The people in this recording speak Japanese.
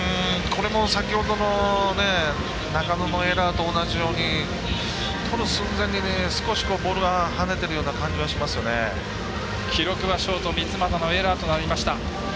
これも先ほどの中野のエラーと同じようにとる寸前に少しボールがはねているような記録はショート三ツ俣のエラーとなりました。